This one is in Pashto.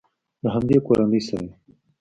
له همدې کورنۍ سره وي.